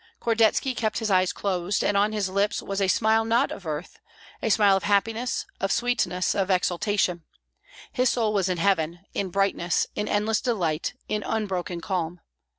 Kordetski kept his eyes closed, and on his lips was a smile not of earth, a smile of happiness, of sweetness, of exaltation; his soul was in heaven, in brightness, in endless delight, in unbroken calm.